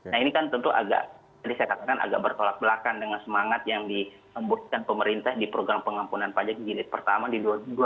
nah ini kan tentu agak tadi saya katakan agak bertolak belakang dengan semangat yang dihembuskan pemerintah di program pengampunan pajak jilid pertama di dua ribu dua puluh